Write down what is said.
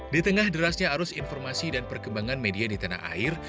di tengah derasnya arus informasi dan perkembangan media di tanah air